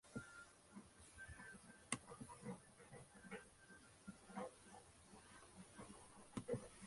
En noviembre de ese año el combinado jugó ambos partidos contra el elenco vanuatuense.